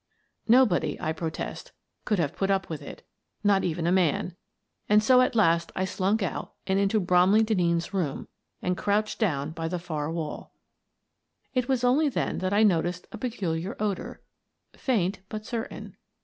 Nobody, I protest, could have put up with it — not even a man — and so at last I slunk out and into Bromley Denneen's room and crouched down by the far wall. It was only then that I noticed a peculiar odour, faint but certain.